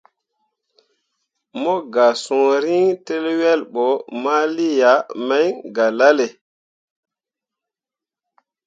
Mo gah sũũ riŋ borah tǝl wel bo ma lii yah mai galale.